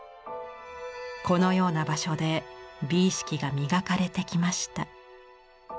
このような場所で美意識が磨かれてきました。